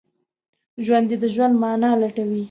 ژوندي د ژوند معنی لټوي